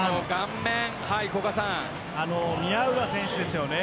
宮浦選手ですよね。